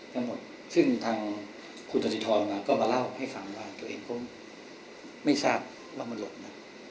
ทั้งหมดซึ่งทางคุณธสิทรมาก็มาเล่าให้ฟังว่าตัวเองก็ไม่ทราบว่ามันหลบนะ